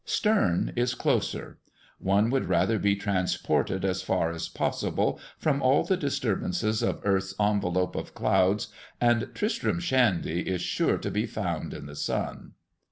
Sterne is closer. One would rather be transported as far as possible from all the disturbances of earth's envelope of clouds, and "Tristram Shandy" is sure to be found in the sun.